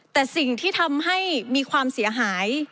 แต่สิ่งที่ทำให้มีความเสียหาย